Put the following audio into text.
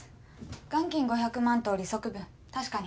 元金５００万と利息分確かに。